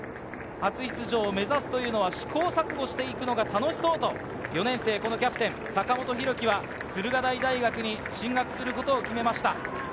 初出場を目指すのは試行錯誤していくのが楽しそうと４年生のキャプテン・阪本大貴は駿河台大学に進学することを決めました。